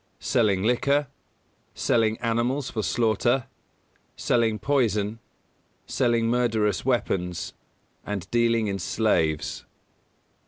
Selling liquor, selling animals for slaughter, selling poison, selling murderous weapons, and dealing in slaves.